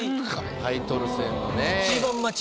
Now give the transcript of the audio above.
タイトル戦ね。